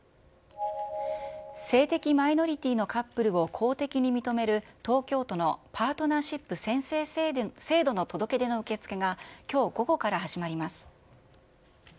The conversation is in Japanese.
性的マイノリティのカップルを公的に認める、東京都のパートナーシップ宣誓制度の届け出の受け付けが、きょう午後から始まります。